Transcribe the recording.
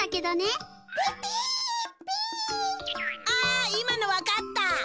あ今のわかった！